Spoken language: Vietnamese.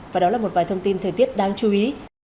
và đó là một vài thông tin thời tiết đáng chú ý